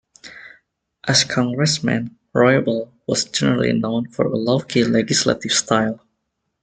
As Congressman, Roybal was generally known for a low-key legislative style.